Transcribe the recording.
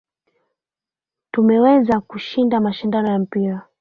Tumeweza kushinda mashindano ya mpira.